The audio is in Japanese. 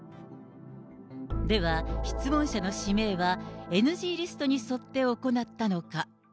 では、質問者の指名はＮＧリストに沿って行ったのか。